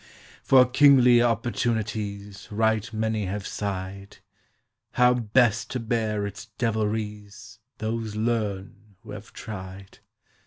For kingly opportunities Right many have sighed; How best to bear its devilries Those learn who have tried!